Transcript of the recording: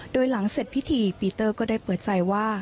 โดยหลังเสร็จพิธีปีเตอร์ก็ได้เปิดใจว่า